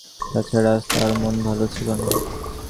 তা ছাড়া, আজ তাহার মন ভালো ছিল না।